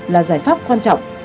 là giải pháp quan trọng